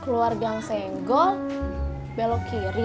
keluar gang senggol belok kiri